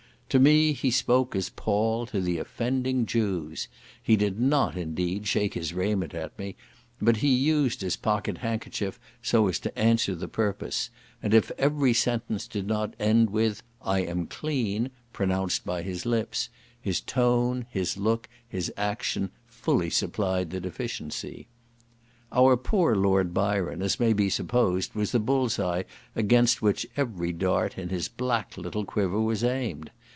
To me he spoke as Paul to the offending Jews; he did not, indeed, shake his raiment at me, but he used his pocket handkerchief so as to answer the purpose; and if every sentence did not end with "I am clean," pronounced by his lips, his tone, his look, his action, fully supplied the deficiency. Our poor Lord Byron, as may be supposed, was the bull's eye against which every dart in his black little quiver was aimed.